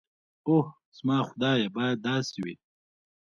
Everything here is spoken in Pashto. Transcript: اوح زما خدايه بايد داسې وي.